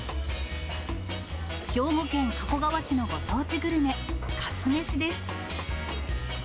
兵庫県加古川市のご当地グルメ、かつめしです。